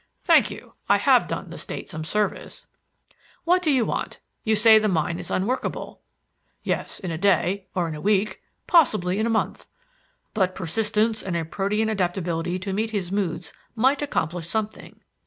"Thank you; I have done the state some service." "What do you want? You say the mine is unworkable." "Yes, in a day, or in a week, possibly in a month. But persistence and a protean adaptability to meet his moods might accomplish something.